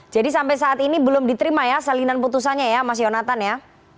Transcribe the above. jadi sampai saat ini belum diterima ya salinan putusannya ya mas yonatan ya